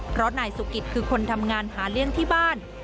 เพราะนายสุกิตคือคนทำงานหาเลี้ยงที่บ้าน